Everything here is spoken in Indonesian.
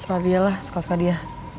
suka dialah suka suka dia